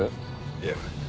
いや。